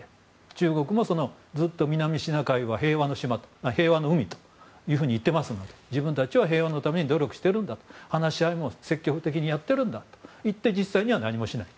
中国もずっと南シナ海は平和の海と言っていますので自分たちは平和のために努力しているんだと話し合いも積極的にやってるんだと言って実際には何もしない。